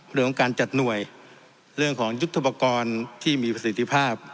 เรื่องของการจัดหน่วยเรื่องของยุทธปกรณ์ที่มีประสิทธิภาพ